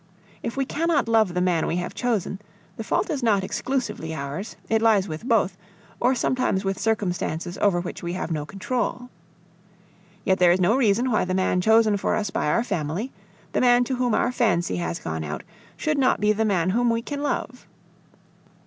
If we cannot love the man we have chosen, the fault is not exclusively ours, it lies with both, or sometimes with circumstances over which we have no control. Yet there is no reason why the man chosen for us by our family, the man to whom our fancy has gone out, should not be the man whom we can love.